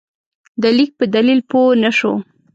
د لیک په دلیل پوه نه شو.